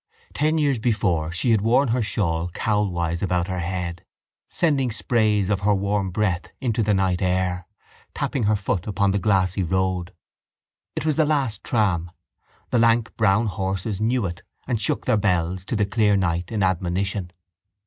Ten years before she had worn her shawl cowlwise about her head, sending sprays of her warm breath into the night air, tapping her foot upon the glassy road. It was the last tram; the lank brown horses knew it and shook their bells to the clear night in admonition.